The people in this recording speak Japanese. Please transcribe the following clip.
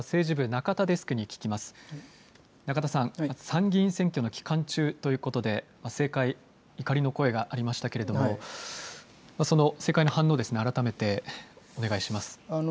参議院選挙の期間中ということで、政界、怒りの声がありましたけれども、その政界の反応、改めてお願いします。